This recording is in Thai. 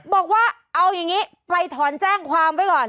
บอกว่าเอาอย่างนี้ไปถอนแจ้งความไว้ก่อน